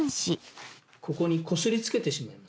ここにこすりつけてしまいます。